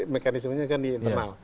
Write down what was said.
mekanismenya kan di internal